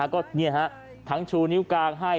ก็นี่ฮะทั้งชูนิ้วกลางให้